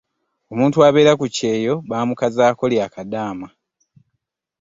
omuntu abeera ku kyeyo baamukazaako lya kadaama.